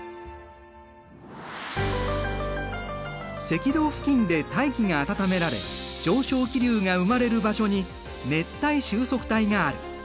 赤道付近で大気が温められ上昇気流が生まれる場所に熱帯収束帯がある。